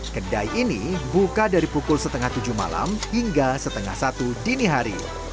kedai ini buka dari pukul setengah tujuh malam hingga setengah satu dini hari